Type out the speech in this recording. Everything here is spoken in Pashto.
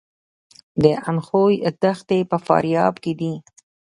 د اندخوی دښتې په فاریاب کې دي